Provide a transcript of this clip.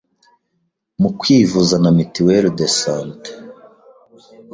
mu kwivuza na Mituelle de Sante’.